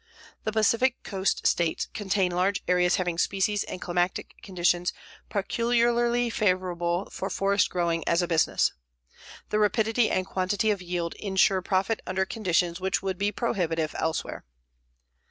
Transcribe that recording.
The Pacific coast states contain large areas having species and climatic conditions peculiarly favorable for forest growing as a business. The rapidity and quantity of yield insure profit under conditions which would be prohibitive elsewhere.